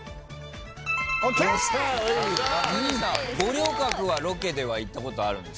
五稜郭はロケでは行ったことあるんですか？